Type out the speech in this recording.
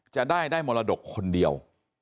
จะได้หมลโลกคนเดียว